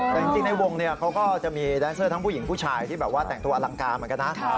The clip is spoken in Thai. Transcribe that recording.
แต่จริงในวงเนี่ยเขาก็จะมีแดนเซอร์ทั้งผู้หญิงผู้ชายที่แบบว่าแต่งตัวอลังการเหมือนกันนะ